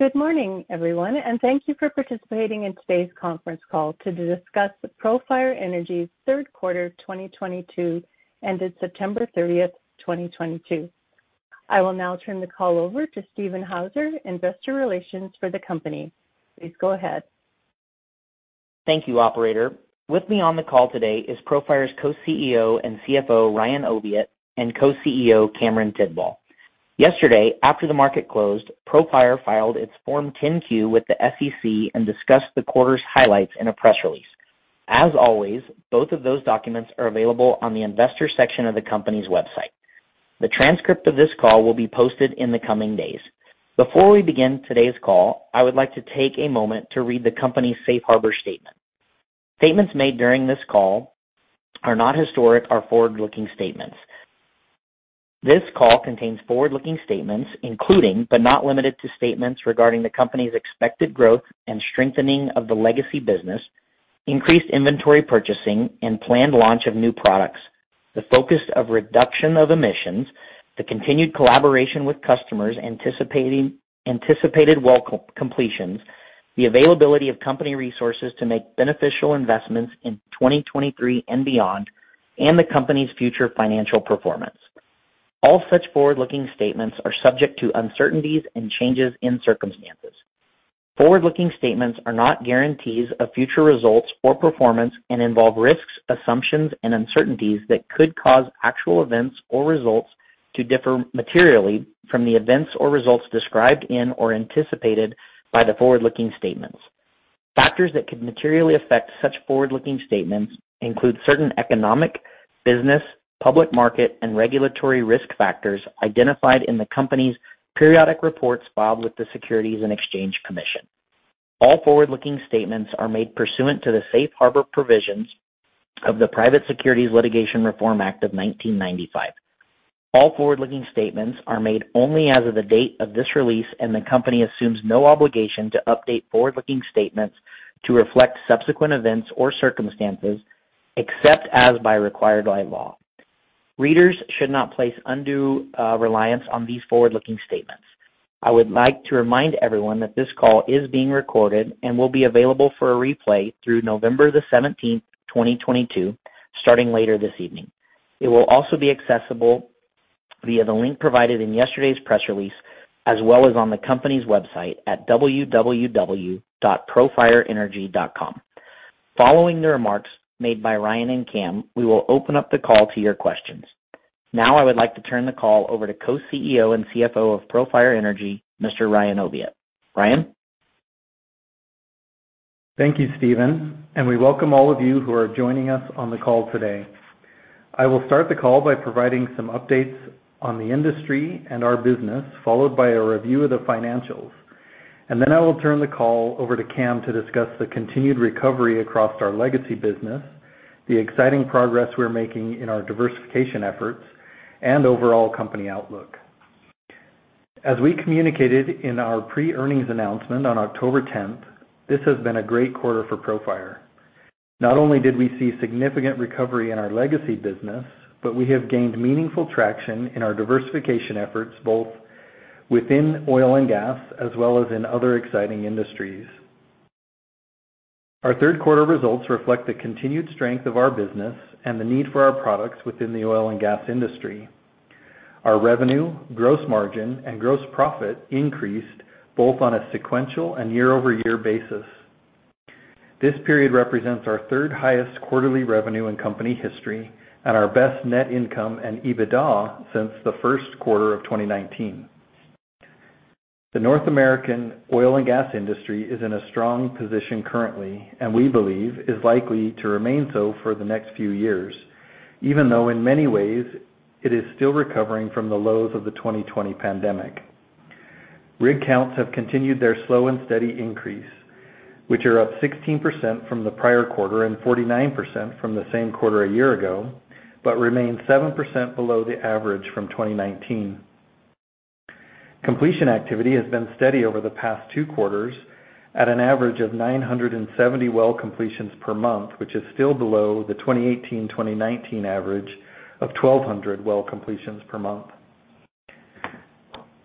Good morning, everyone, and thank you for participating in today's conference call to discuss Profire Energy's third quarter 2022 ended September 30, 2022. I will now turn the call over to Steven Hooser, Investor Relations for the company. Please go ahead. Thank you, operator. With me on the call today is Profire's Co-CEO and CFO, Ryan Oviatt and Co-CEO, Cameron Tidball. Yesterday, after the market closed, Profire filed its Form 10-Q with the SEC and discussed the quarter's highlights in a press release. As always, both of those documents are available on the investor section of the company's website. The transcript of this call will be posted in the coming days. Before we begin today's call, I would like to take a moment to read the company's safe harbor statement. Statements made during this call are not historical are forward-looking statements. This call contains forward-looking statements, including, but not limited to, statements regarding the company's expected growth and strengthening of the legacy business, increased inventory purchasing, and planned launch of new products, the focus of reduction of emissions, the continued collaboration with customers anticipating anticipated well completions, the availability of company resources to make beneficial investments in 2023 and beyond, and the company's future financial performance. All such forward-looking statements are subject to uncertainties and changes in circumstances. Forward-looking statements are not guarantees of future results or performance and involve risks, assumptions, and uncertainties that could cause actual events or results to differ materially from the events or results described in or anticipated by the forward-looking statements. Factors that could materially affect such forward-looking statements include certain economic, business, public market, and regulatory risk factors identified in the company's periodic reports filed with the Securities and Exchange Commission. All forward-looking statements are made pursuant to the safe harbor provisions of the Private Securities Litigation Reform Act of 1995. All forward-looking statements are made only as of the date of this release, and the company assumes no obligation to update forward-looking statements to reflect subsequent events or circumstances, except as required by law. Readers should not place undue reliance on these forward-looking statements. I would like to remind everyone that this call is being recorded and will be available for a replay through November 17, 2022, starting later this evening. It will also be accessible via the link provided in yesterday's press release, as well as on the company's website at www.profireenergy.com. Following the remarks made by Ryan and Cam, we will open up the call to your questions. Now, I would like to turn the call over to Co-CEO and CFO of Profire Energy, Mr. Ryan Oviatt. Ryan. Thank you, Steven, and we welcome all of you who are joining us on the call today. I will start the call by providing some updates on the industry and our business, followed by a review of the financials. I will turn the call over to Cam to discuss the continued recovery across our legacy business, the exciting progress we're making in our diversification efforts, and overall company outlook. As we communicated in our pre-earnings announcement on October 10th, this has been a great quarter for Profire. Not only did we see significant recovery in our legacy business, but we have gained meaningful traction in our diversification efforts, both within oil and gas as well as in other exciting industries. Our third quarter results reflect the continued strength of our business and the need for our products within the oil and gas industry. Our revenue, gross margin, and gross profit increased both on a sequential and year-over-year basis. This period represents our third highest quarterly revenue in company history and our best net income and EBITDA since the first quarter of 2019. The North American oil and gas industry is in a strong position currently and we believe is likely to remain so for the next few years, even though in many ways it is still recovering from the lows of the 2020 pandemic. Rig counts have continued their slow and steady increase, which are up 16% from the prior quarter and 49% from the same quarter a year ago, but remain 7% below the average from 2019. Completion activity has been steady over the past two quarters at an average of 970 well completions per month, which is still below the 2018, 2019 average of 1,200 well completions per month.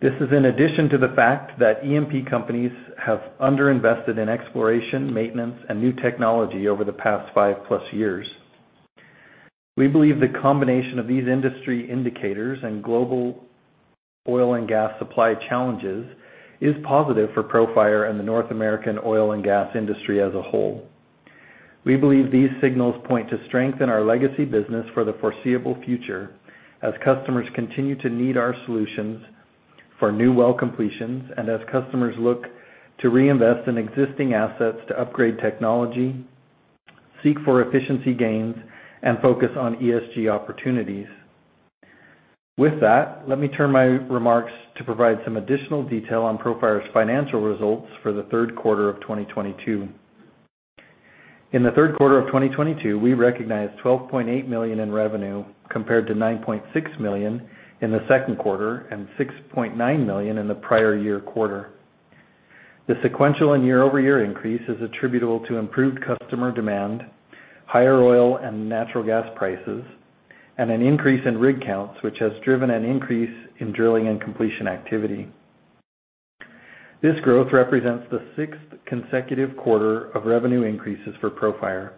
This is in addition to the fact that E&P companies have underinvested in exploration, maintenance, and new technology over the past 5+ years. We believe the combination of these industry indicators and global oil and gas supply challenges is positive for Profire and the North American oil and gas industry as a whole. We believe these signals point to strength in our legacy business for the foreseeable future as customers continue to need our solutions for new well completions and as customers look to reinvest in existing assets to upgrade technology, seek for efficiency gains, and focus on ESG opportunities. With that, let me turn my remarks to provide some additional detail on Profire's financial results for the third quarter of 2022. In the third quarter of 2022, we recognized $12.8 million in revenue, compared to $9.6 million in the second quarter and $6.9 million in the prior year quarter. The sequential and year-over-year increase is attributable to improved customer demand, higher oil and natural gas prices, and an increase in rig counts, which has driven an increase in drilling and completion activity. This growth represents the sixth consecutive quarter of revenue increases for Profire.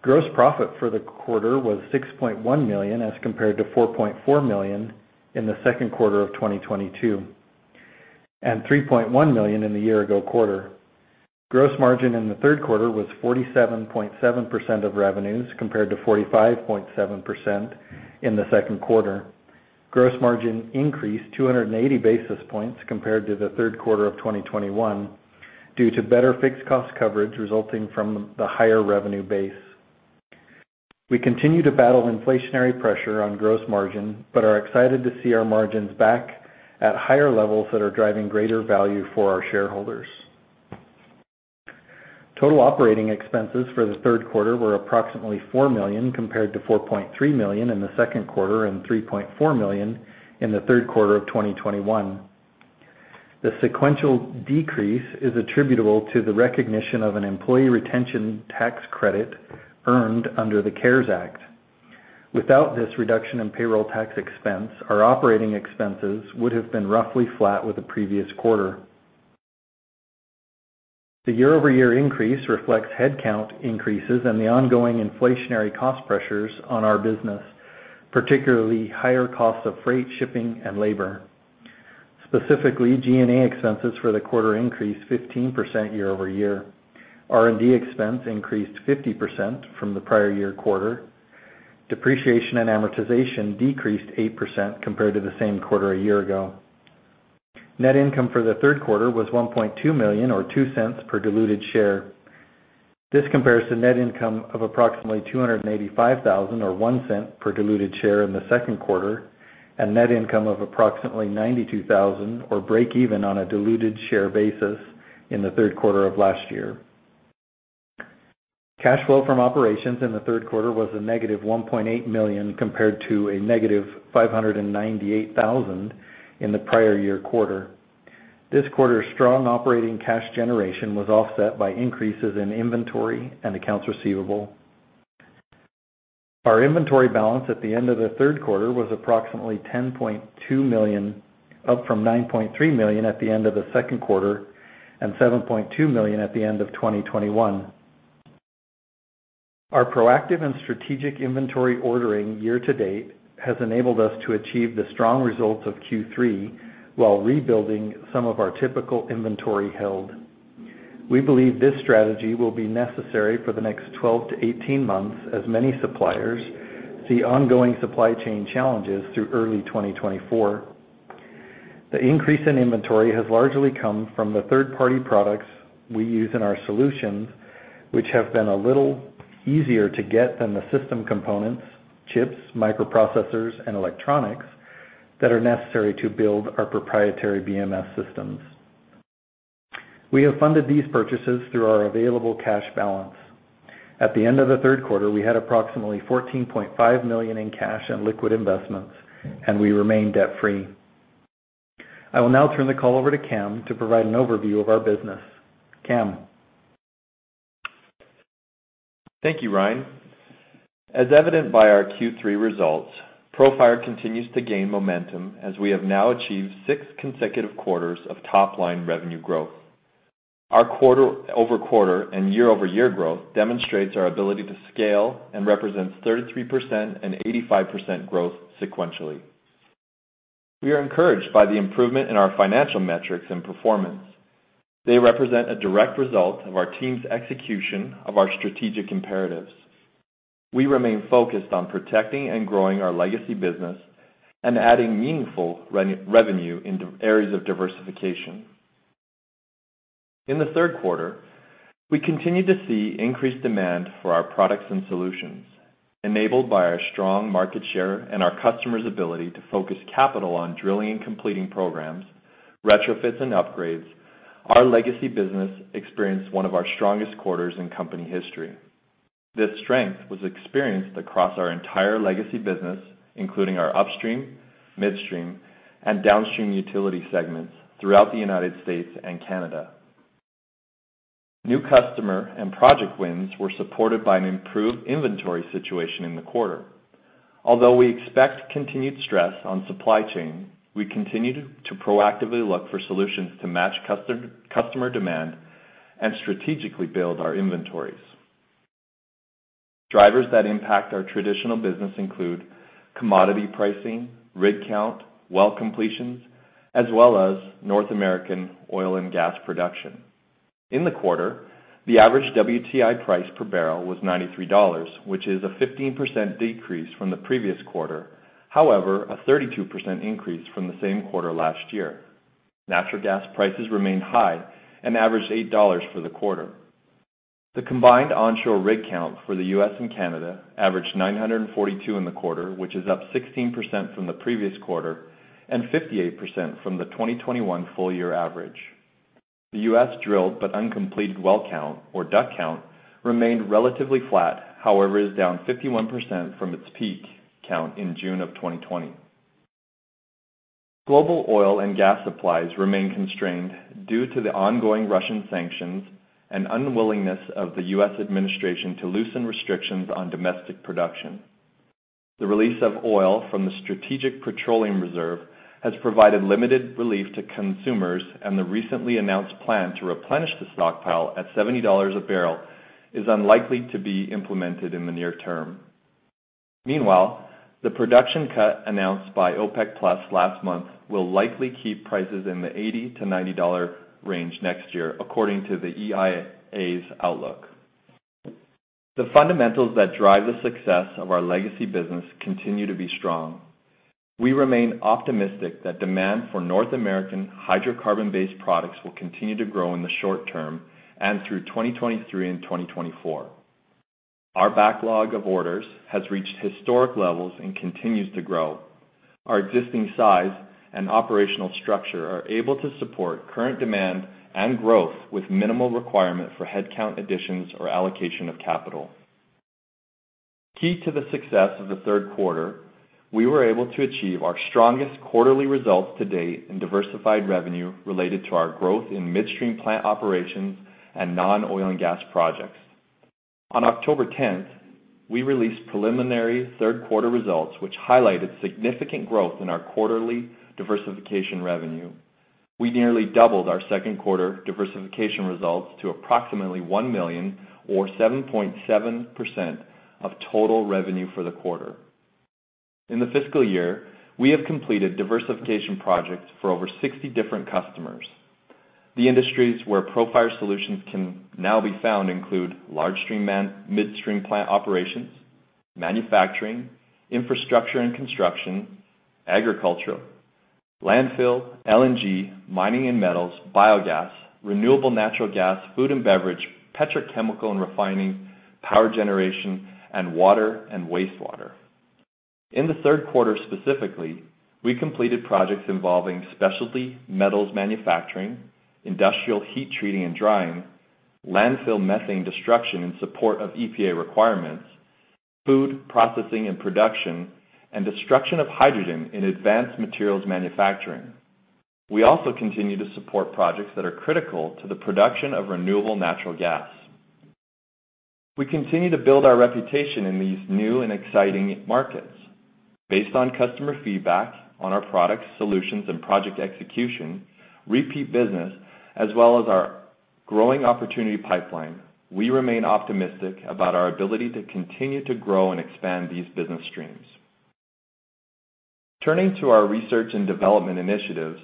Gross profit for the quarter was $6.1 million, as compared to $4.4 million in the second quarter of 2022, and $3.1 million in the year ago quarter. Gross margin in the third quarter was 47.7% of revenues, compared to 45.7% in the second quarter. Gross margin increased 280 basis points compared to the third quarter of 2021 due to better fixed cost coverage resulting from the higher revenue base. We continue to battle inflationary pressure on gross margin, but are excited to see our margins back at higher levels that are driving greater value for our shareholders. Total operating expenses for the third quarter were approximately $4 million, compared to $4.3 million in the second quarter and $3.4 million in the third quarter of 2021. The sequential decrease is attributable to the recognition of an employee retention tax credit earned under the CARES Act. Without this reduction in payroll tax expense, our operating expenses would have been roughly flat with the previous quarter. The year-over-year increase reflects headcount increases and the ongoing inflationary cost pressures on our business, particularly higher costs of freight, shipping, and labor. Specifically, G&A expenses for the quarter increased 15% year-over-year. R&D expense increased 50% from the prior year quarter. Depreciation and amortization decreased 8% compared to the same quarter a year ago. Net income for the third quarter was $1.2 million or $0.02 per diluted share. This compares to net income of approximately $285,000 or $0.01 per diluted share in the second quarter, and net income of approximately $92,000 or breakeven on a diluted share basis in the third quarter of last year. Cash flow from operations in the third quarter was a negative $1.8 million compared to a negative $598,000 in the prior year quarter. This quarter's strong operating cash generation was offset by increases in inventory and accounts receivable. Our inventory balance at the end of the third quarter was approximately $10.2 million, up from $9.3 million at the end of the second quarter and $7.2 million at the end of 2021. Our proactive and strategic inventory ordering year-to-date has enabled us to achieve the strong results of Q3 while rebuilding some of our typical inventory held. We believe this strategy will be necessary for the next 12 to 18 months as many suppliers see ongoing supply chain challenges through early 2024. The increase in inventory has largely come from the third-party products we use in our solutions, which have been a little easier to get than the system components, chips, microprocessors, and electronics that are necessary to build our proprietary BMS systems. We have funded these purchases through our available cash balance. At the end of the third quarter, we had approximately $14.5 million in cash and liquid investments, and we remain debt-free. I will now turn the call over to Cam to provide an overview of our business. Cam? Thank you, Ryan. As evidenced by our Q3 results, Profire continues to gain momentum as we have now achieved six consecutive quarters of top-line revenue growth. Our quarter-over-quarter and year-over-year growth demonstrates our ability to scale and represents 33% and 85% growth sequentially. We are encouraged by the improvement in our financial metrics and performance. They represent a direct result of our team's execution of our strategic imperatives. We remain focused on protecting and growing our legacy business and adding meaningful revenue in areas of diversification. In the third quarter, we continued to see increased demand for our products and solutions, enabled by our strong market share and our customers' ability to focus capital on drilling and completing programs, retrofits, and upgrades. Our legacy business experienced one of our strongest quarters in company history. This strength was experienced across our entire legacy business, including our upstream, midstream, and downstream utility segments throughout the United States and Canada. New customer and project wins were supported by an improved inventory situation in the quarter. Although we expect continued stress on supply chain, we continue to proactively look for solutions to match customer demand and strategically build our inventories. Drivers that impact our traditional business include commodity pricing, rig count, well completions, as well as North American oil and gas production. In the quarter, the average WTI price per barrel was $93, which is a 15% decrease from the previous quarter, however, a 32% increase from the same quarter last year. Natural gas prices remained high and averaged $8 for the quarter. The combined onshore rig count for the U.S. and Canada averaged 942 in the quarter, which is up 16% from the previous quarter and 58% from the 2021 full year average. The U.S. drilled but uncompleted well count, or DUC count, remained relatively flat, however, it is down 51% from its peak count in June of 2020. Global oil and gas supplies remain constrained due to the ongoing Russian sanctions and unwillingness of the U.S. administration to loosen restrictions on domestic production. The release of oil from the Strategic Petroleum Reserve has provided limited relief to consumers, and the recently announced plan to replenish the stockpile at $70 a barrel is unlikely to be implemented in the near term. Meanwhile, the production cut announced by OPEC Plus last month will likely keep prices in the $80-$90 range next year, according to the EIA's outlook. The fundamentals that drive the success of our legacy business continue to be strong. We remain optimistic that demand for North American hydrocarbon-based products will continue to grow in the short term and through 2023 and 2024. Our backlog of orders has reached historic levels and continues to grow. Our existing size and operational structure are able to support current demand and growth with minimal requirement for headcount additions or allocation of capital. Key to the success of the third quarter, we were able to achieve our strongest quarterly results to date in diversified revenue related to our growth in midstream plant operations and non-oil and gas projects. On October 10th, we released preliminary third quarter results, which highlighted significant growth in our quarterly diversification revenue. We nearly doubled our second quarter diversification results to approximately $1 million or 7.7% of total revenue for the quarter. In the fiscal year, we have completed diversification projects for over 60 different customers. The industries where Profire solutions can now be found include midstream plant operations, manufacturing, infrastructure and construction, agricultural, landfill, LNG, mining and metals, biogas, renewable natural gas, food and beverage, petrochemical and refining, power generation, and water and wastewater. In the third quarter specifically, we completed projects involving specialty metals manufacturing, industrial heat treating and drying, landfill methane destruction in support of EPA requirements, food processing and production, and destruction of hydrogen in advanced materials manufacturing. We also continue to support projects that are critical to the production of renewable natural gas. We continue to build our reputation in these new and exciting markets. Based on customer feedback on our products, solutions and project execution, repeat business, as well as our growing opportunity pipeline, we remain optimistic about our ability to continue to grow and expand these business streams. Turning to our research and development initiatives,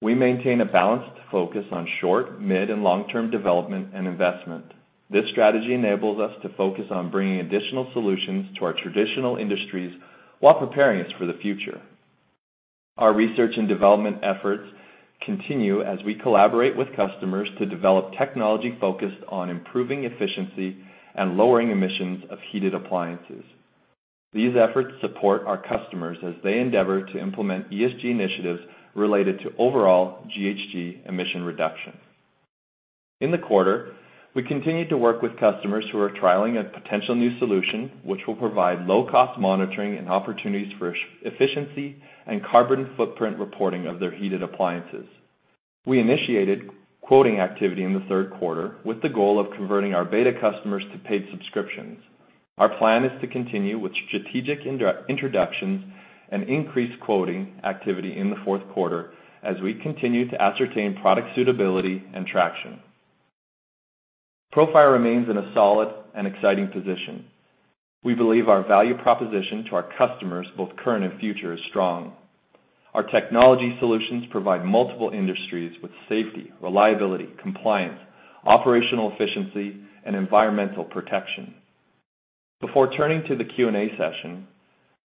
we maintain a balanced focus on short, mid and long-term development and investment. This strategy enables us to focus on bringing additional solutions to our traditional industries while preparing us for the future. Our research and development efforts continue as we collaborate with customers to develop technology focused on improving efficiency and lowering emissions of heated appliances. These efforts support our customers as they endeavor to implement ESG initiatives related to overall GHG emission reduction. In the quarter, we continued to work with customers who are trialing a potential new solution, which will provide low-cost monitoring and opportunities for efficiency and carbon footprint reporting of their heated appliances. We initiated quoting activity in the third quarter with the goal of converting our beta customers to paid subscriptions. Our plan is to continue with strategic introductions and increased quoting activity in the fourth quarter as we continue to ascertain product suitability and traction. Profire remains in a solid and exciting position. We believe our value proposition to our customers, both current and future, is strong. Our technology solutions provide multiple industries with safety, reliability, compliance, operational efficiency and environmental protection. Before turning to the Q&A session,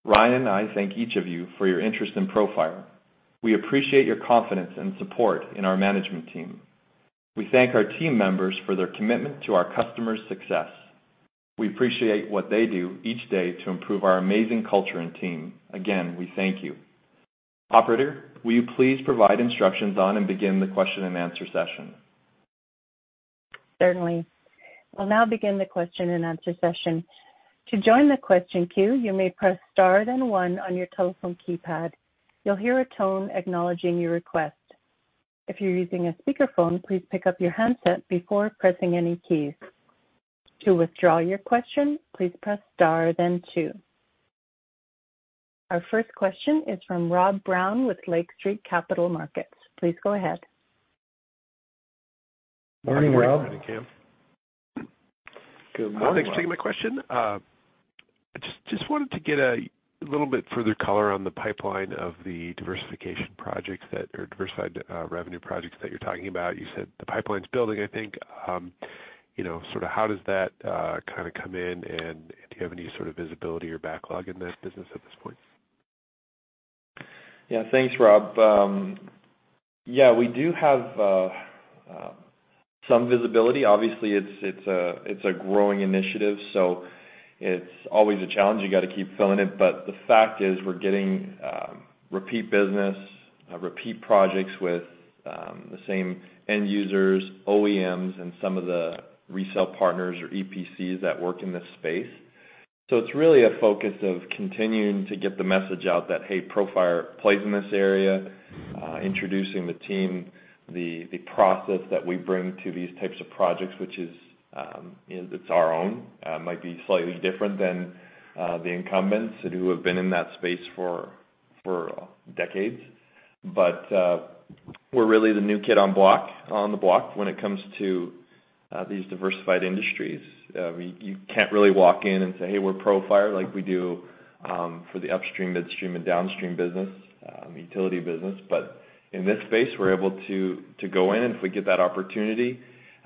Ryan and I thank each of you for your interest in Profire. We appreciate your confidence and support in our management team. We thank our team members for their commitment to our customers' success. We appreciate what they do each day to improve our amazing culture and team. Again, we thank you. Operator, will you please provide instructions and begin the question-and-answer session? Certainly. We'll now begin the question-and-answer session. To join the question queue, you may press star then one on your telephone keypad. You'll hear a tone acknowledging your request. If you're using a speakerphone, please pick up your handset before pressing any keys. To withdraw your question, please press star then two. Our first question is from Rob Brown with Lake Street Capital Markets. Please go ahead. Morning, Rob. Morning, Cam. Good morning, Rob. Thanks for taking my question. I just wanted to get a little bit further color on the pipeline of the diversification projects or diversified revenue projects that you're talking about. You said the pipeline's building, I think. You know, sort of how does that kinda come in, and do you have any sort of visibility or backlog in that business at this point? Yeah. Thanks, Rob. Yeah, we do have some visibility. Obviously it's a growing initiative, so it's always a challenge. You gotta keep filling it. The fact is we're getting repeat business. Repeat projects with the same end users, OEMs, and some of the resale partners or EPCs that work in this space. It's really a focus of continuing to get the message out that, hey, Profire plays in this area, introducing the team, the process that we bring to these types of projects, which is our own. It might be slightly different than the incumbents who have been in that space for decades. We're really the new kid on the block when it comes to these diversified industries. You can't really walk in and say, "Hey, we're Profire," like we do for the upstream, midstream, and downstream business, utility business. In this space, we're able to go in, and if we get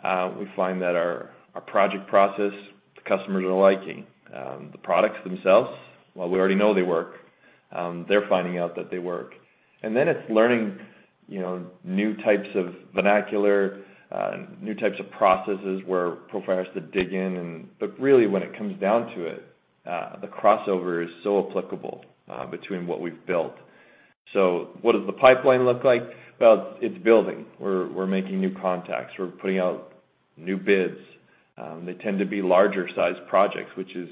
that opportunity, we find that our project process the customers are liking. The products themselves, well, we already know they work. They're finding out that they work. Then it's learning, you know, new types of vernaculars, new types of processes where Profire has to dig in. Really, when it comes down to it, the crossover is so applicable between what we've built. What does the pipeline look like? Well, it's building. We're making new contacts. We're putting out new bids. They tend to be larger sized projects, which is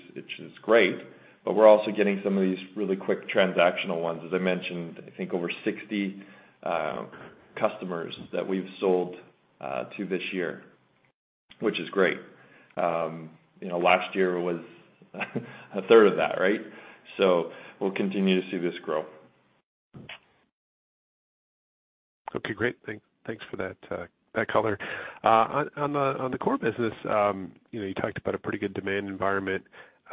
great. We're also getting some of these really quick transactional ones. As I mentioned, I think over 60 customers that we've sold to this year, which is great. You know, last year was a third of that, right? We'll continue to see this grow. Okay, great. Thanks for that color. On the core business, you know, you talked about a pretty good demand environment.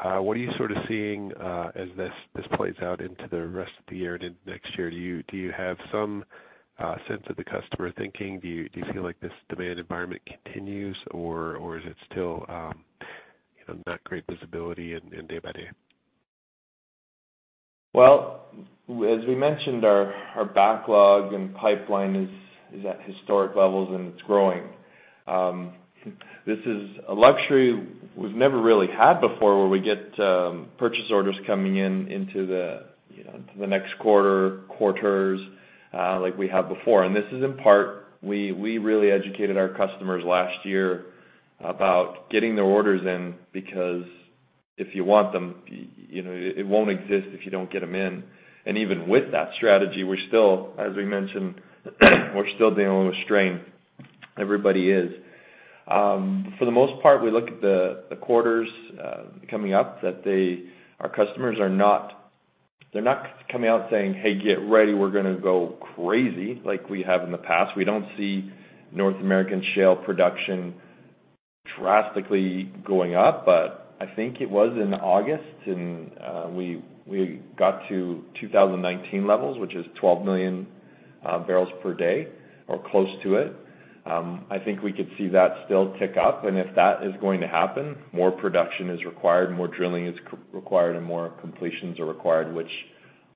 What are you sort of seeing as this plays out into the rest of the year and in next year? Do you have some sense of the customer thinking? Do you feel like this demand environment continues or is it still, you know, not great visibility and day by day? Well, as we mentioned, our backlog and pipeline is at historic levels and it's growing. This is a luxury we've never really had before, where we get purchase orders coming in into the, you know, into the next quarter, quarters, like we have before. This is in part, we really educated our customers last year about getting their orders in because if you want them, you know, it won't exist if you don't get them in. Even with that strategy, we're still, as we mentioned, we're still dealing with strain. Everybody is. For the most part, we look at the quarters coming up. Our customers are not coming out saying, "Hey, get ready, we're gonna go crazy," like we have in the past. We don't see North American shale production drastically going up, but I think it was in August and we got to 2019 levels, which is 12 million bbl per day or close to it. I think we could see that still tick up, and if that is going to happen, more production is required, more drilling is required, and more completions are required, which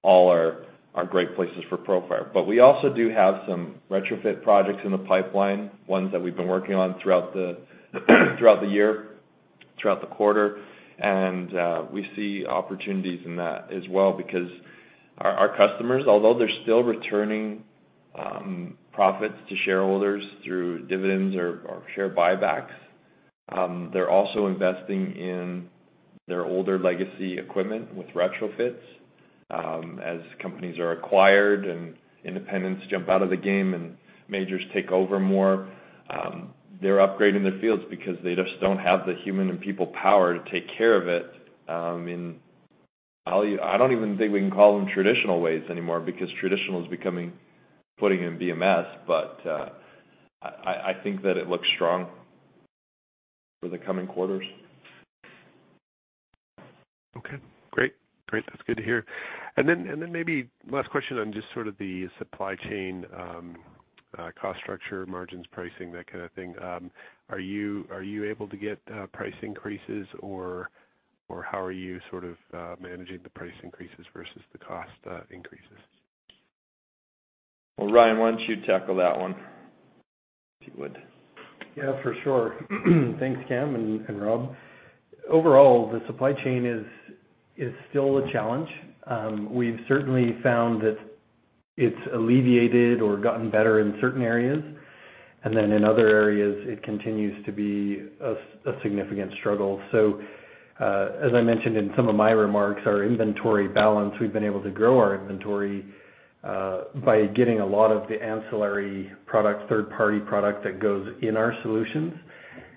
all are great places for Profire. We also do have some retrofit projects in the pipeline, ones that we've been working on throughout the year, throughout the quarter. We see opportunities in that as well because our customers, although they're still returning profits to shareholders through dividends or share buybacks, they're also investing in their older legacy equipment with retrofits. As companies are acquired and independents jump out of the game and majors take over more, they're upgrading their fields because they just don't have the human and people power to take care of it. I don't even think we can call them traditional ways anymore because traditional is becoming putting in BMS. I think that it looks strong for the coming quarters. Okay, great. That's good to hear. Maybe last question on just sort of the supply chain, cost structure, margins, pricing, that kind of thing. Are you able to get price increases or how are you sort of managing the price increases versus the cost increases? Well, Ryan, why don't you tackle that one, if you would? Yeah, for sure. Thanks, Cam and Rob. Overall, the supply chain is still a challenge. We've certainly found that it's alleviated or gotten better in certain areas, and then in other areas it continues to be a significant struggle. As I mentioned in some of my remarks, our inventory balance, we've been able to grow our inventory by getting a lot of the ancillary products, third-party product that goes in our solutions,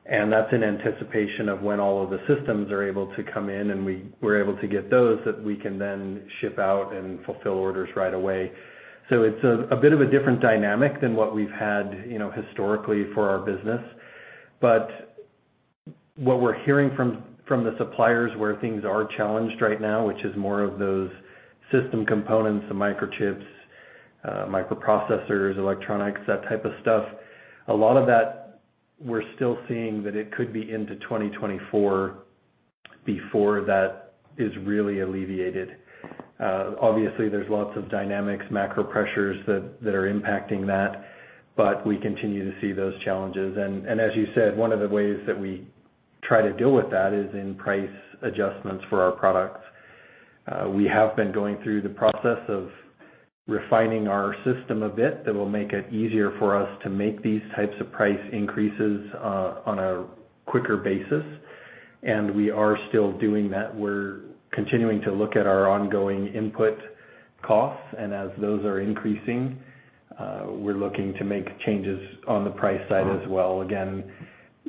and that's in anticipation of when all of the systems are able to come in and we're able to get those that we can then ship out and fulfill orders right away. It's a bit of a different dynamic than what we've had, you know, historically for our business. What we're hearing from the suppliers where things are challenged right now, which is more of those system components, the microchips, microprocessors, electronics, that type of stuff, a lot of that, we're still seeing that it could be into 2024 before that is really alleviated. Obviously there's lots of dynamics, macro pressures that are impacting that, but we continue to see those challenges. As you said, one of the ways that we try to deal with that in price adjustments for our products. We have been going through the process of refining our system a bit. That will make it easier for us to make these types of price increases on a quicker basis. We are still doing that. We're continuing to look at our ongoing input costs, and as those are increasing, we're looking to make changes on the price side as well. Again,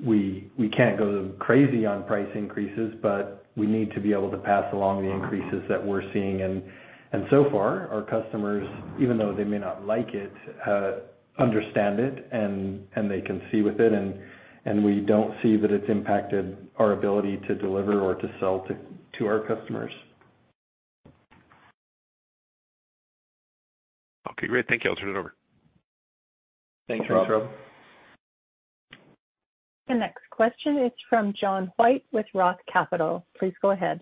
we can't go crazy on price increases, but we need to be able to pass along the increases that we're seeing. So far, our customers, even though they may not like it, understand it, and they can live with it, and we don't see that it's impacted our ability to deliver or to sell to our customers. Okay, great. Thank you. I'll turn it over. Thanks, Rob. Thanks, Rob. The next question is from John White with Roth Capital. Please go ahead.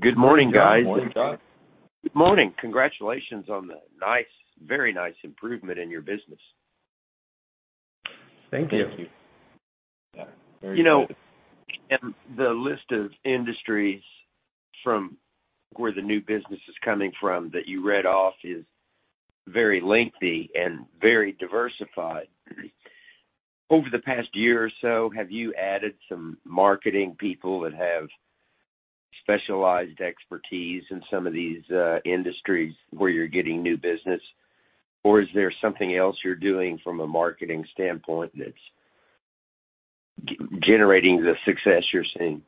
Good morning, guys. Good morning, John. Good morning. Congratulations on the nice, very nice improvement in your business. Thank you. Thank you. You know, the list of industries from where the new business is coming from that you read off is very lengthy and very diversified. Over the past year or so, have you added some marketing people that have specialized expertise in some of these industries where you're getting new business? Or is there something else you're doing from a marketing standpoint that's generating the success you're seeing?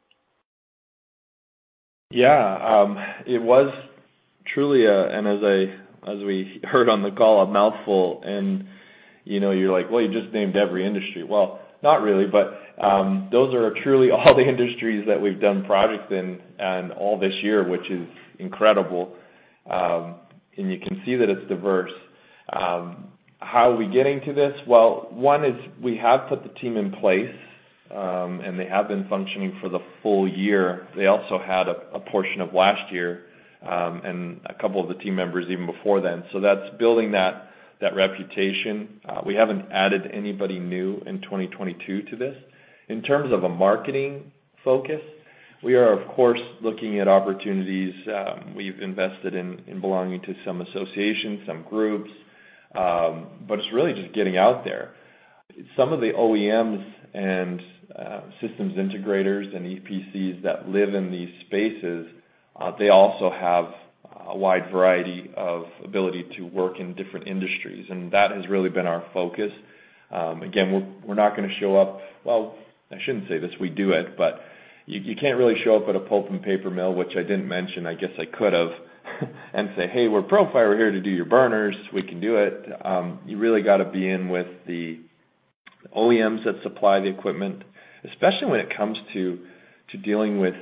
It was truly a mouthful and, as we heard on the call, you know, you're like, "Well, you just named every industry." Well, not really, but those are truly all the industries that we've done projects in and all this year, which is incredible. You can see that it's diverse. How are we getting to this? Well, one is we have put the team in place, and they have been functioning for the full year. They also had a portion of last year, and a couple of the team members even before then. That's building that reputation. We haven't added anybody new in 2022 to this. In terms of a marketing focus, we are of course looking at opportunities. We've invested in belonging to some associations, some groups, but it's really just getting out there. Some of the OEMs and systems integrators and EPCs that live in these spaces, they also have a wide variety of ability to work in different industries, and that has really been our focus. Again, we're not gonna show up. Well, I shouldn't say this, we do it, but you can't really show up at a pulp and paper mill, which I didn't mention. I guess I could have and say, "Hey, we're Profire. We're here to do your burners. We can do it." You really got to be in with the OEMs that supply the equipment, especially when it comes to dealing with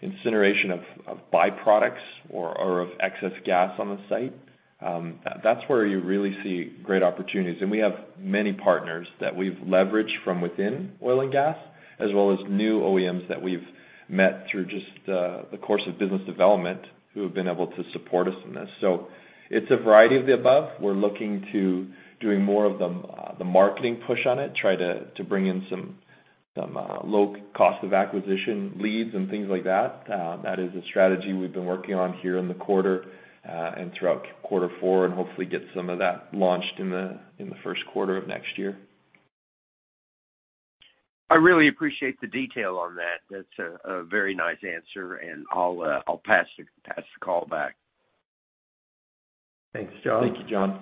incineration of byproducts or of excess gas on the site. That's where you really see great opportunities. We have many partners that we've leveraged from within oil and gas, as well as new OEMs that we've met through just the course of business development, who have been able to support us in this. It's a variety of the above. We're looking to doing more of the marketing push on it, try to bring in some low cost of acquisition leads and things like that. That is a strategy we've been working on here in the quarter and throughout quarter four and hopefully get some of that launched in the first quarter of next year. I really appreciate the detail on that. That's a very nice answer, and I'll pass the call back. Thanks, John. Thank you, John.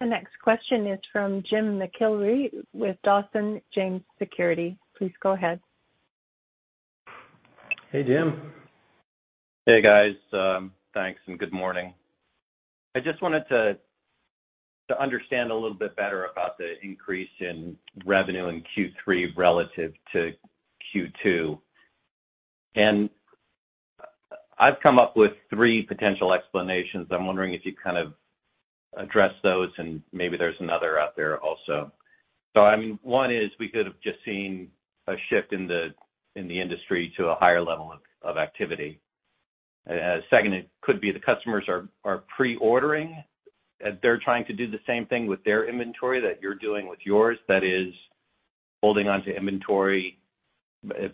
The next question is from Jim McIlree with Dawson James Securities. Please go ahead. Hey, Jim. Hey, guys. Thanks, and good morning. I just wanted to understand a little bit better about the increase in revenue in Q3 relative to Q2. I've come up with three potential explanations. I'm wondering if you'd kind of address those and maybe there's another out there also. I mean, one is we could have just seen a shift in the industry to a higher level of activity. Second, it could be the customers are pre-ordering. They're trying to do the same thing with their inventory that you're doing with yours. That is, holding onto inventory,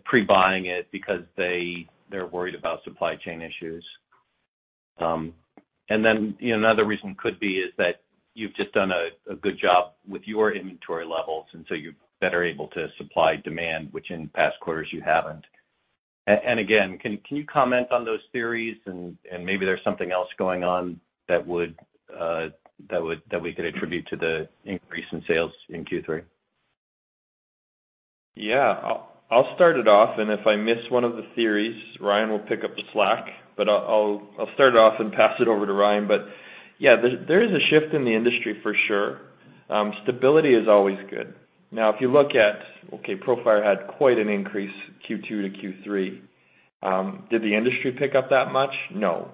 pre-buying it because they're worried about supply chain issues. And then, you know, another reason could be that you've just done a good job with your inventory levels, and so you're better able to supply demand, which in past quarters you haven't. Again, can you comment on those theories and maybe there's something else going on that we could attribute to the increase in sales in Q3? Yeah. I'll start it off, and if I miss one of the theories, Ryan will pick up the slack. I'll start it off and pass it over to Ryan. Yeah, there is a shift in the industry for sure. Stability is always good. Now, if you look at Profire had quite an increase Q2 to Q3. Did the industry pick up that much? No.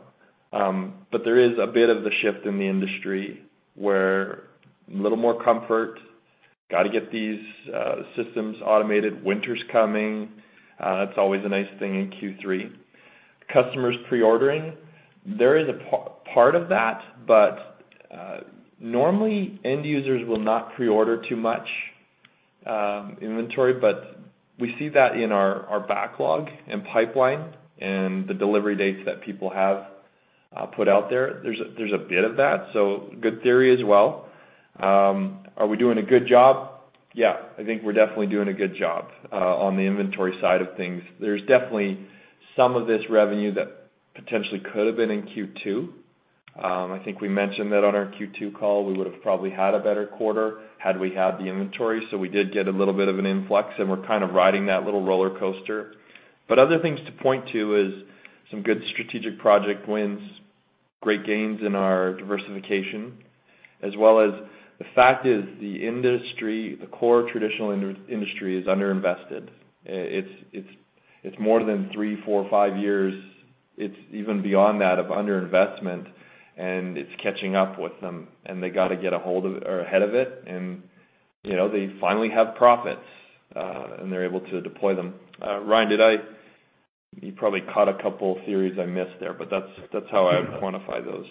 But there is a bit of the shift in the industry where a little more comfort, got to get these systems automated. Winter's coming. That's always a nice thing in Q3. Customers preordering, there is a part of that, but normally end users will not preorder too much inventory. We see that in our backlog and pipeline and the delivery dates that people have put out there. There's a bit of that, so good theory as well. Are we doing a good job? Yeah. I think we're definitely doing a good job on the inventory side of things. There's definitely some of this revenue that potentially could have been in Q2. I think we mentioned that on our Q2 call, we would have probably had a better quarter had we had the inventory. We did get a little bit of an influx, and we're kind of riding that little roller coaster. Other things to point to is some good strategic project wins, great gains in our diversification, as well as the fact is the industry, the core traditional industry is underinvested. It's more than three, four, five years. It's even beyond that of underinvestment, and it's catching up with them, and they gotta get ahold of it or ahead of it. You know, they finally have profits, and they're able to deploy them. Ryan, you probably caught a couple of theories I missed there, but that's how I would quantify those.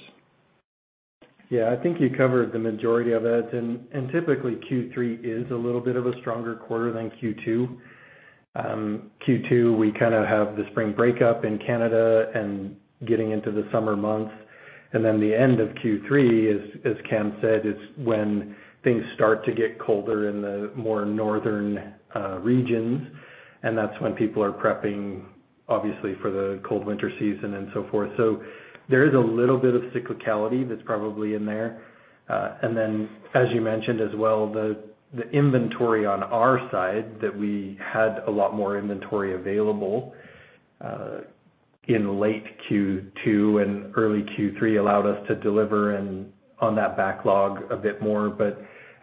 Yeah. I think you covered the majority of it. Typically, Q3 is a little bit of a stronger quarter than Q2. Q2, we kind of have the spring breakup in Canada and getting into the summer months. The end of Q3 is, as Cam said, when things start to get colder in the more northern regions, and that's when people are prepping, obviously, for the cold winter season and so forth. There is a little bit of cyclicality that's probably in there. As you mentioned as well, the inventory on our side, that we had a lot more inventory available in late Q2 and early Q3 allowed us to deliver on that backlog a bit more.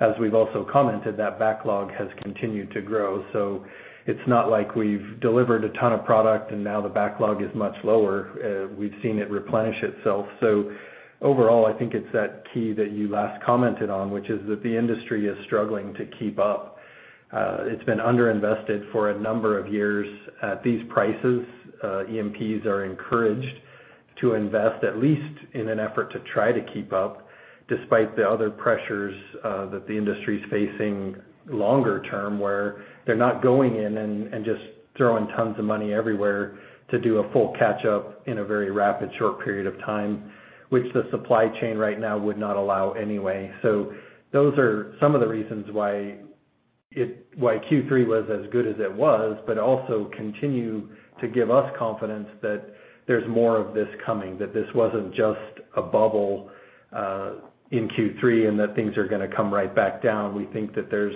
As we've also commented, that backlog has continued to grow. It's not like we've delivered a ton of product and now the backlog is much lower. We've seen it replenish itself. Overall, I think it's that key that you last commented on, which is that the industry is struggling to keep up. It's been underinvested for a number of years. At these prices, E&Ps are encouraged to invest at least in an effort to try to keep up despite the other pressures that the industry is facing longer term, where they're not going in and just throwing tons of money everywhere to do a full catch up in a very rapid, short period of time, which the supply chain right now would not allow anyway. Those are some of the reasons why Q3 was as good as it was, but also continue to give us confidence that there's more of this coming, that this wasn't just a bubble in Q3, and that things are gonna come right back down. We think that there's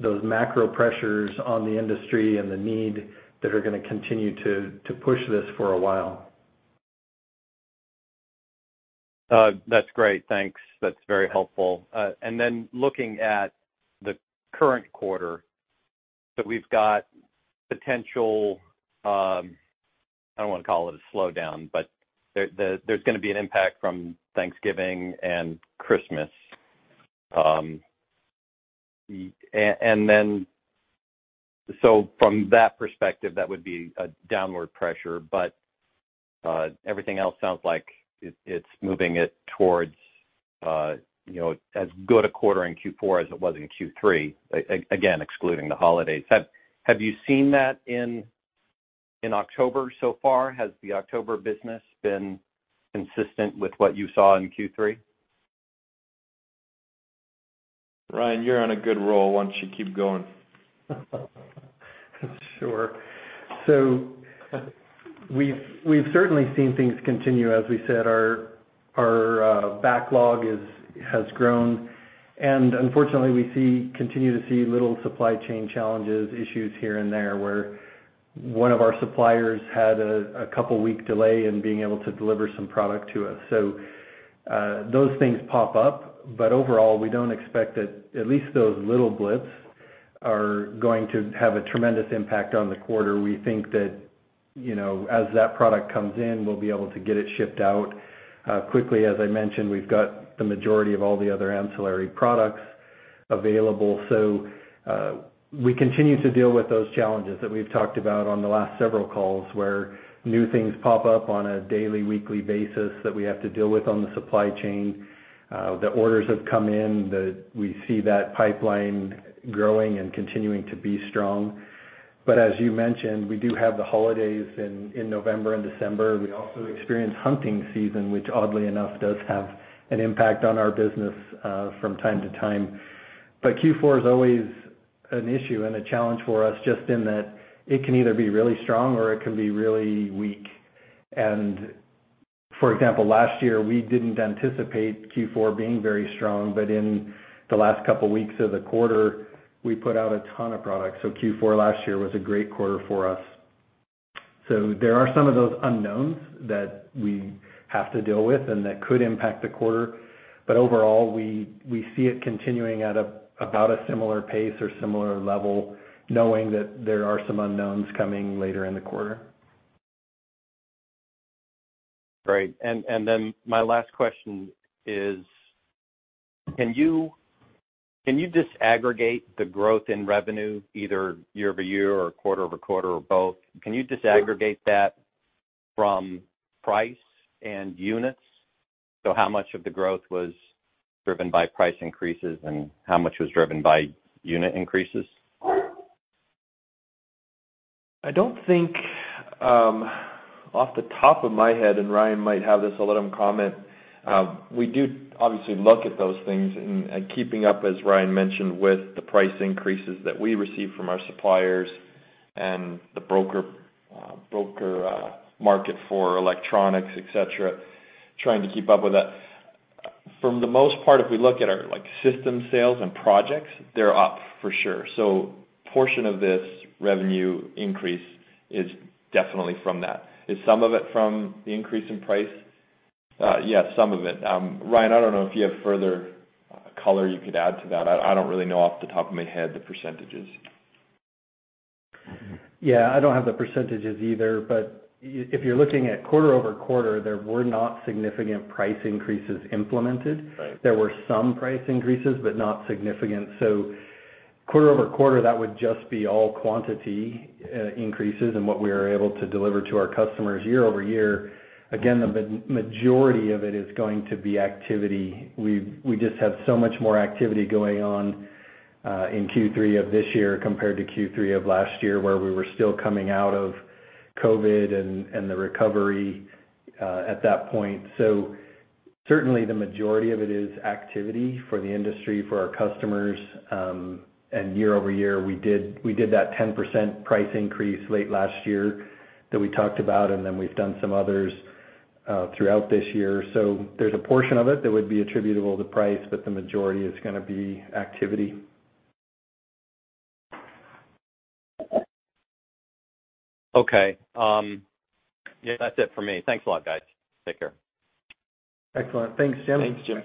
those macro pressures on the industry and the need that are gonna continue to push this for a while. That's great. Thanks. That's very helpful. Looking at the current quarter that we've got potential, I don't wanna call it a slowdown, but there's gonna be an impact from Thanksgiving and Christmas. From that perspective, that would be a downward pressure. Everything else sounds like it's moving it towards, you know, as good a quarter in Q4 as it was in Q3, again, excluding the holidays. Have you seen that in October so far? Has the October business been consistent with what you saw in Q3? Ryan, you're on a good roll. Why don't you keep going? Sure. We've certainly seen things continue. As we said, our backlog has grown, and unfortunately we continue to see little supply chain challenges, issues here and there, where one of our suppliers had a couple week delay in being able to deliver some product to us. Those things pop up. Overall, we don't expect that at least those little blips are going to have a tremendous impact on the quarter. We think that, you know, as that product comes in, we'll be able to get it shipped out quickly. As I mentioned, we've got the majority of all the other ancillary products available. We continue to deal with those challenges that we've talked about on the last several calls, where new things pop up on a daily, weekly basis that we have to deal with on the supply chain. The orders have come in that we see that pipeline growing and continuing to be strong. As you mentioned, we do have the holidays in November and December. We also experience hunting season, which oddly enough does have an impact on our business from time to time. Q4 is always an issue and a challenge for us, just in that it can either be really strong or it can be really weak. For example, last year we didn't anticipate Q4 being very strong, but in the last couple weeks of the quarter we put out a ton of products, so Q4 last year was a great quarter for us. There are some of those unknowns that we have to deal with and that could impact the quarter. Overall, we see it continuing at about a similar pace or similar level, knowing that there are some unknowns coming later in the quarter. Great. Then my last question is, can you disaggregate the growth in revenue either year-over-year or quarter-over-quarter or both? Can you disaggregate that from price and units? How much of the growth was driven by price increases and how much was driven by unit increases? I don't think, off the top of my head, and Ryan might have this. I'll let him comment. We do obviously look at those things and keeping up, as Ryan mentioned, with the price increases that we receive from our suppliers and the broker market for electronics, et cetera, trying to keep up with that. For the most part, if we look at our, like, system sales and projects, they're up for sure. Portion of this revenue increase is definitely from that. Is some of it from the increase in price? Yes, some of it. Ryan, I don't know if you have further color you could add to that. I don't really know off the top of my head the percentages. Yeah. I don't have the percentages either, but if you're looking at quarter-over-quarter, there were not significant price increases implemented. Right. There were some price increases, but not significant. Quarter-over-quarter, that would just be all quantity increases and what we are able to deliver to our customers year-over-year. Again, the majority of it is going to be activity. We just have so much more activity going on in Q3 of this year compared to Q3 of last year, where we were still coming out of COVID and the recovery at that point. Certainly, the majority of it is activity for the industry, for our customers, and year-over-year, we did that 10% price increase late last year that we talked about, and then we've done some others throughout this year. There's a portion of it that would be attributable to price, but the majority is gonna be activity. Okay. That's it for me. Thanks a lot, guys. Take care. Excellent. Thanks, Jim. Thanks, Jim.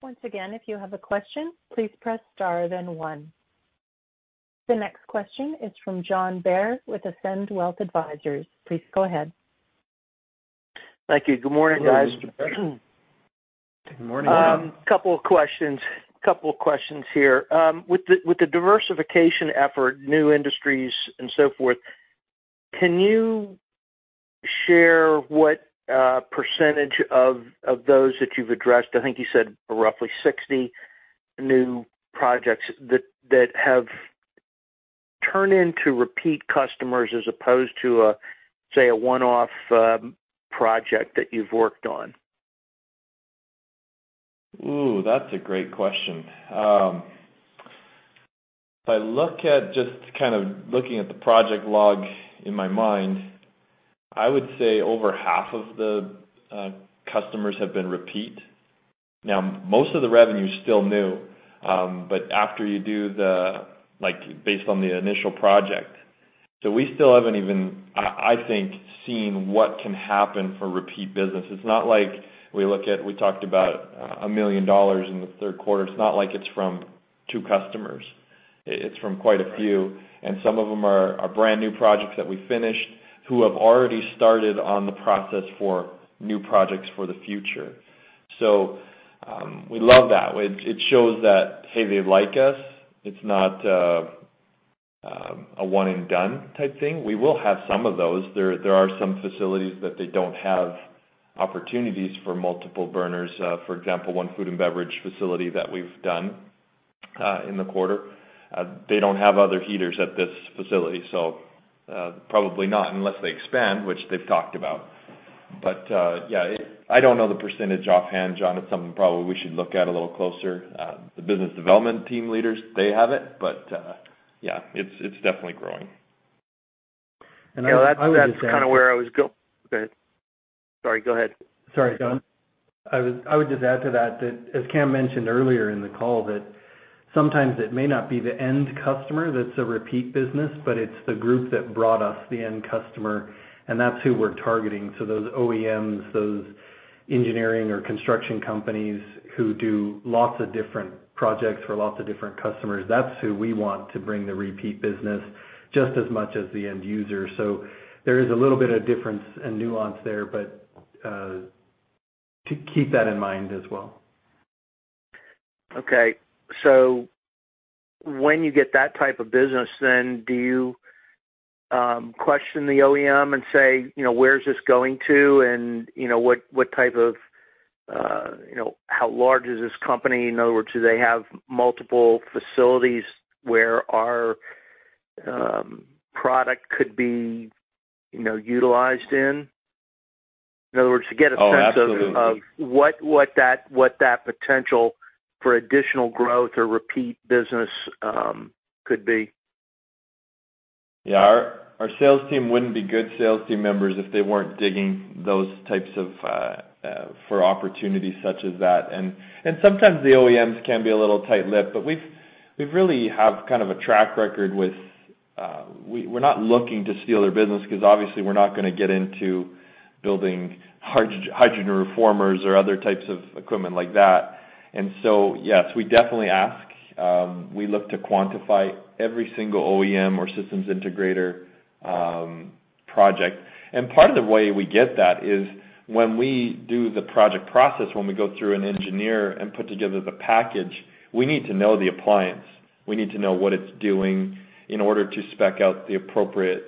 Once again, if you have a question, please press star then one. The next question is from John Bair with Ascend Wealth Advisors. Please go ahead. Thank you. Good morning, guys. Good morning. Good morning. Couple of questions here. With the diversification effort, new industries and so forth, can you share what percentage of those that you've addressed? I think you said roughly 60 new projects that have turned into repeat customers as opposed to, say, a one-off project that you've worked on? Ooh, that's a great question. If I look at just kind of looking at the project log in my mind, I would say over half of the customers have been repeat. Now, most of the revenue is still new, but after you do, like, based on the initial project. We still haven't even, I think, seen what can happen for repeat business. It's not like we talked about $1 million in the third quarter. It's not like it's from two customers. It's from quite a few, and some of them are brand new projects that we finished who have already started on the process for new projects for the future. We love that. It shows that, hey, they like us. It's not a one and done type thing. We will have some of those. There are some facilities that they don't have opportunities for multiple burners. For example, one food and beverage facility that we've done in the quarter, they don't have other heaters at this facility, so probably not unless they expand, which they've talked about. Yeah, I don't know the percentage offhand, John. It's something probably we should look at a little closer. The business development team leaders, they have it. Yeah, it's definitely growing. I would just add. Yeah, that's kinda where I was. Go ahead. Sorry. Go ahead. Sorry, John. I would just add to that as Cam mentioned earlier in the call, that sometimes it may not be the end customer that's a repeat business, but it's the group that brought us the end customer, and that's who we're targeting. Those OEMs, those engineering or construction companies who do lots of different projects for lots of different customers, that's who we want to bring the repeat business just as much as the end user. There is a little bit of difference and nuance there, but to keep that in mind as well. Okay. When you get that type of business, then do you question the OEM and say, you know, where's this going to? You know, what type of, you know, how large is this company? In other words, do they have multiple facilities where our product could be, you know, utilized in? In other words, to get a sense of Oh, absolutely.... of what that potential for additional growth or repeat business could be. Yeah. Our sales team wouldn't be good sales team members if they weren't digging those types of opportunities such as that. Sometimes the OEMs can be a little tight-lipped, but we really have kind of a track record with. We're not looking to steal their business 'cause obviously we're not gonna get into building hydrogen reformers or other types of equipment like that. Yes, we definitely ask. We look to quantify every single OEM or systems integrator project. Part of the way we get that is when we do the project process, when we go through engineering and put together the package, we need to know the application. We need to know what it's doing in order to spec out the appropriate,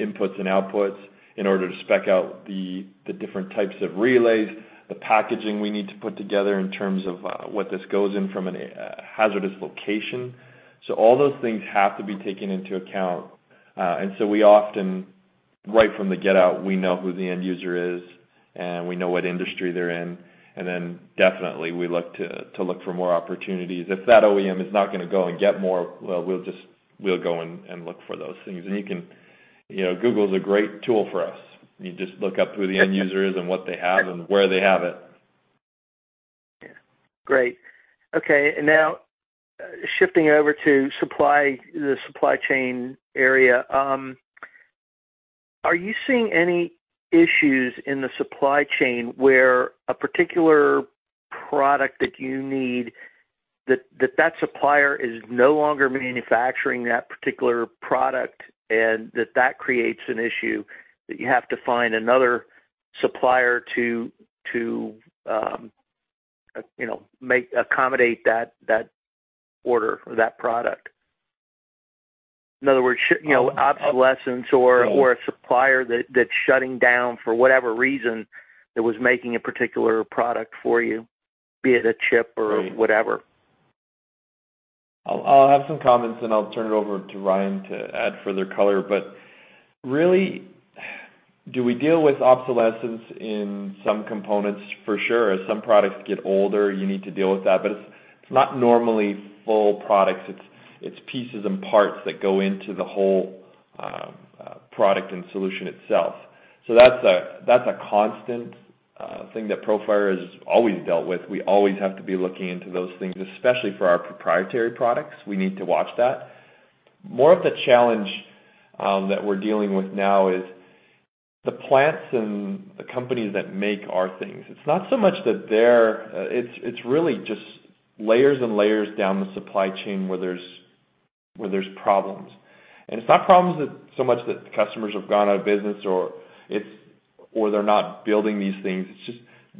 inputs and outputs, in order to spec out the different types of relays, the packaging we need to put together in terms of, what this goes in from an, hazardous location. All those things have to be taken into account. We often, right from the get-go, we know who the end user is, and we know what industry they're in, and then definitely we look to look for more opportunities. If that OEM is not gonna go and get more, well, we'll just we'll go and look for those things. You can. You know, Google's a great tool for us. You just look up who the end user is and what they have and where they have it. Yeah, great. Okay, and now shifting over to supply, the supply chain area. Are you seeing any issues in the supply chain where a particular product that you need, that supplier is no longer manufacturing that particular product, and that creates an issue that you have to find another supplier to, you know, accommodate that order for that product? In other words, you know, obsolescence or a supplier that's shutting down for whatever reason, that was making a particular product for you, be it a chip or whatever. I'll have some comments, and I'll turn it over to Ryan to add further color. Really, do we deal with obsolescence in some components? For sure. As some products get older, you need to deal with that, but it's not normally full products. It's pieces and parts that go into the whole, product and solution itself. That's a constant thing that Profire has always dealt with. We always have to be looking into those things, especially for our proprietary products, we need to watch that. More of the challenge that we're dealing with now is the plants and the companies that make our things. It's not so much that they're. It's really just layers and layers down the supply chain where there's problems. It's not so much that the customers have gone out of business or they're not building these things. It's just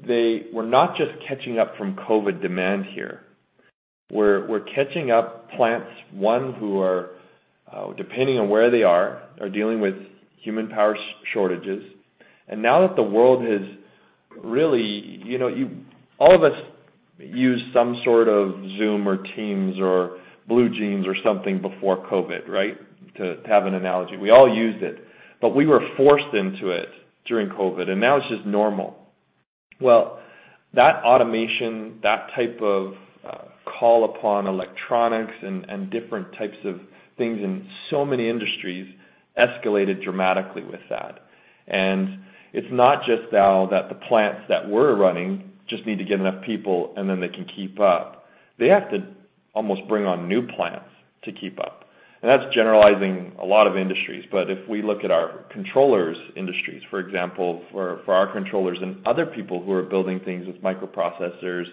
they were not just catching up from COVID demand here. We're catching up plants, one who are depending on where they are dealing with manpower shortages. Now that the world has really, you know, all of us used some sort of Zoom or Teams or BlueJeans or something before COVID, right? To have an analogy. We all used it, but we were forced into it during COVID, and now it's just normal. Well, that automation, that type of call upon electronics and different types of things in so many industries escalated dramatically with that. It's not just now that the plants that were running just need to get enough people, and then they can keep up. They have to almost bring on new plants to keep up. That's generalizing a lot of industries. If we look at our controllers industries, for example, for our controllers and other people who are building things with microprocessors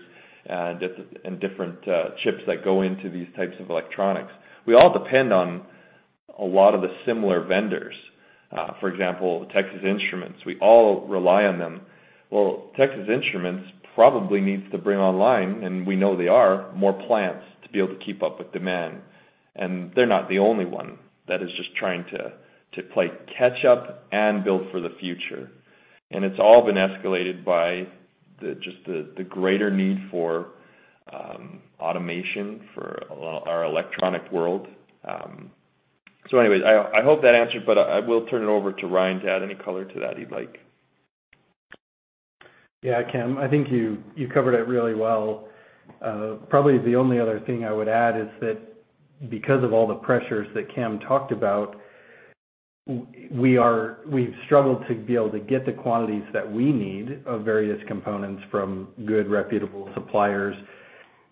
and different chips that go into these types of electronics, we all depend on a lot of the similar vendors. For example, Texas Instruments. We all rely on them. Well, Texas Instruments probably needs to bring online, and we know they are, more plants to be able to keep up with demand. They're not the only one that is just trying to play catch up and build for the future. It's all been escalated by just the greater need for automation for our electronic world. Anyways, I hope that answered, but I will turn it over to Ryan to add any color to that he'd like. Yeah. Cam, I think you covered it really well. Probably the only other thing I would add is that because of all the pressures that Cam talked about, we've struggled to be able to get the quantities that we need of various components from good reputable suppliers.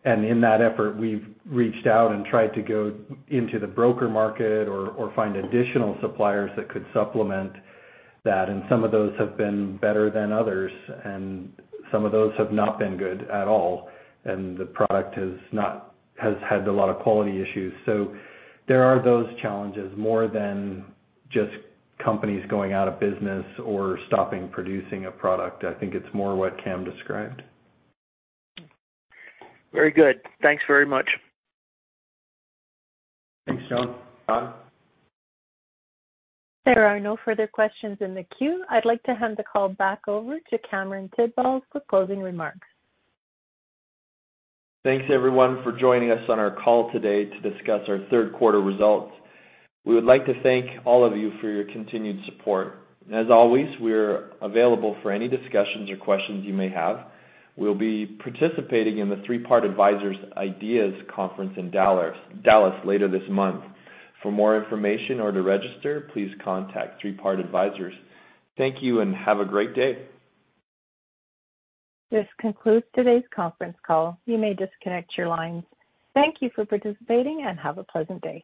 In that effort, we've reached out and tried to go into the broker market or find additional suppliers that could supplement that, and some of those have been better than others, and some of those have not been good at all, and the product has had a lot of quality issues. There are those challenges more than just companies going out of business or stopping producing a product. I think it's more what Cam described. Very good. Thanks very much. Thanks, John. Todd? There are no further questions in the queue. I'd like to hand the call back over to Cameron Tidball for closing remarks. Thanks, everyone, for joining us on our call today to discuss our third quarter results. We would like to thank all of you for your continued support. As always, we're available for any discussions or questions you may have. We'll be participating in the Three Part Advisors IDEAS Conference in Dallas later this month. For more information or to register, please contact Three Part Advisors. Thank you and have a great day. This concludes today's conference call. You may disconnect your lines. Thank you for participating, and have a pleasant day.